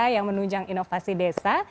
yang menunjang inovasi desa